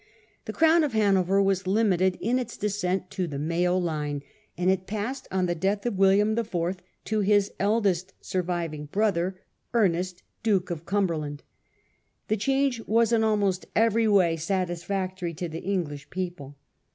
The crown of Hanover was limited in its descent to the male line, and it passed on the death of Wil liam IV. to his eldest surviving brother, Ernest, Duke of Cumberland. The change was in almost eveiy way satisfactory to the English people.